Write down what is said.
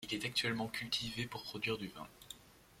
Il est actuellement cultivé pour produire du vin.